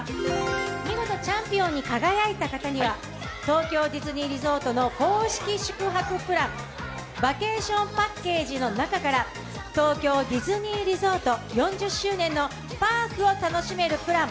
見事チャンピオンに輝いた方には、東京ディズニーリゾートの公式宿泊プラン、バケーションパッケージの中から東京ディズニーリゾート４０周年のパークを楽しめるプラン。